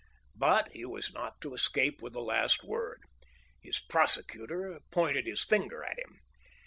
But he was not to escape with the last word. His prosecutor pointed his finger at him.